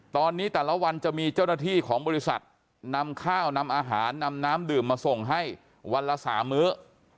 ตอนนี้แต่ละวันจะมีเจ้าหน้าที่ของบริษัทนำข้าวนำอาหารนำน้ำดื่มมาส่งให้วันละ๓มื้อ